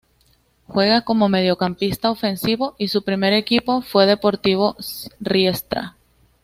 Juega como mediocampista ofensivo y su primer equipo fue Deportivo Riestra.